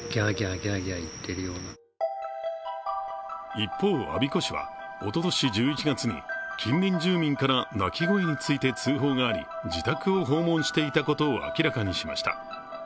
一方、我孫子市はおととし１１月に近隣住民から泣き声について通報があり、自宅を訪問していたことを明らかにしました。